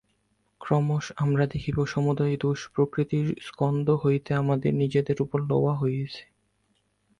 ক্রমশ আমরা দেখিব, সমুদয় দোষ প্রকৃতির স্কন্ধ হইতে আমাদের নিজেদের উপর লওয়া হইতেছে।